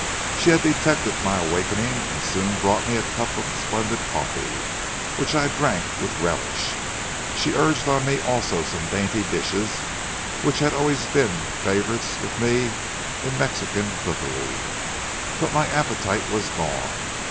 She had detected my awakening, and soon brought me a cup of splendid coffee, which I drank with relish. She urged on me also some dainty dishes, which had always been favorites with me in Mexican cookery, but my appetite was gone.